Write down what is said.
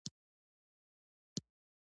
د دوی موخه یوازې خپله څوکۍ ده.